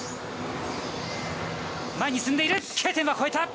前に進んでいる。